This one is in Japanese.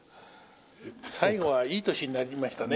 最後はいい年になりましたね。